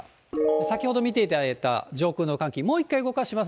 先ほど見ていただいた上空の寒気、もう一回動かします。